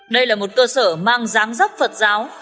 đây là một cơ sở mang dáng dấp phật giáo